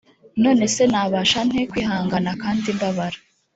none se nabasha nte kwihangana kandi mbabara